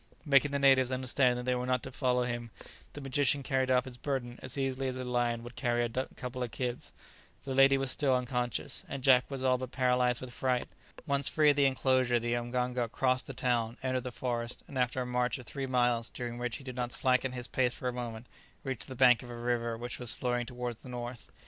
Making the natives understand that they were not to follow him, the magician carried off his burden as easily as a lion would carry a couple of kids. The lady was still unconscious, and Jack was all but paralyzed with fright. Once free of the enclosure the mganga crossed the town, entered the forest, and after a march of three miles, during which he did not slacken his pace for a moment, reached the bank of a river which was flowing towards the north.